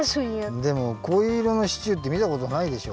でもこういういろのシチューってみたことないでしょ？